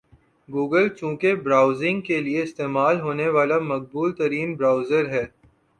Google چونکہ browsing کے لئے استعمال ہونے والا مقبول ترین برؤزر ہے